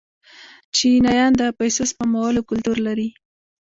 چینایان د پیسو سپمولو کلتور لري.